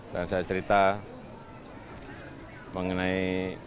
dan saya cerita mengenai